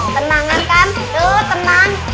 tenang kan tuh tenang